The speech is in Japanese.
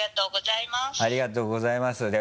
ありがとうございます。